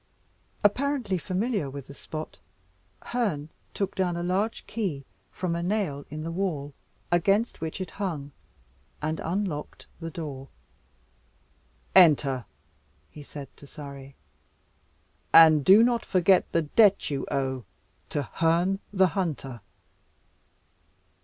Apparently familiar with the spot, Herne took down a large key from a nail in the wall, against which it hung, and unlocked the door. "Enter," he said to Surrey, "and do not forget the debt you owe to Herne the Hunter."